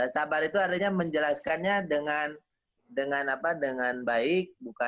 sabar itu artinya menjelaskannya dengan baik